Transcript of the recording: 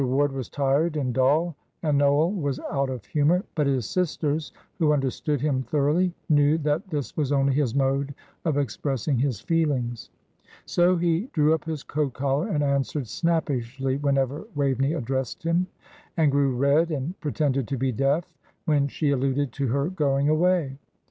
Ward was tired and dull, and Noel was out of humour; but his sisters, who understood him thoroughly, knew that this was only his mode of expressing his feelings. So he drew up his coat collar and answered snappishly whenever Waveney addressed him; and grew red, and pretended to be deaf, when she alluded to her going away.